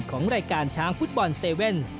ของรายการช้างฟุตบอลเซเว่น